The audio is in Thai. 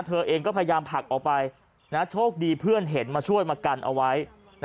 เธอเองก็พยายามผลักออกไปโชคดีเพื่อนเห็นมาช่วยมากันเอาไว้